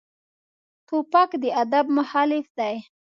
توپک د ادب مخالف دی.